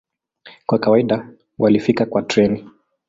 Kwa kawaida walifika kwa treni.